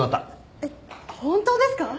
えっ本当ですか？